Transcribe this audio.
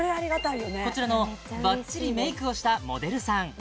こちらのバッチリメイクをしたモデルさん